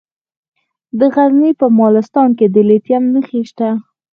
د غزني په مالستان کې د لیتیم نښې شته.